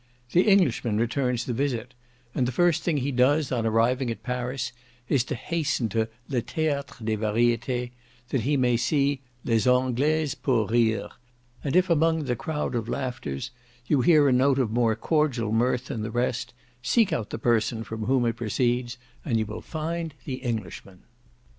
The Englishman returns the visit, and the first thing he does on arriving at Paris, is to hasten to le Théatre des Variétés, that he may see "Les Anglaises pour rire," and if among the crowd of laughters, you hear a note of more cordial mirth than the rest, seek out the person from whom it proceeds, and you will find the Englishman.